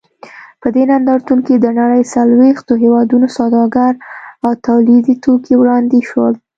په دې نندارتون کې د نړۍ څلوېښتو هېوادونو سوداګریز او تولیدي توکي وړاندې شول.